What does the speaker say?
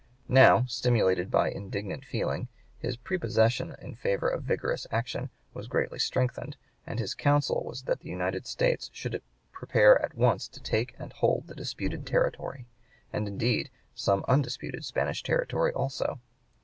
Now, stimulated by indignant feeling, his prepossession in favor of vigorous action was greatly strengthened, and his counsel was that the United States should prepare at once to take and hold the disputed territory, and indeed some undisputed Spanish territory also.